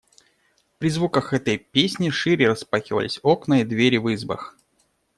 При звуках этой песни шире распахивались окна и двери в избах.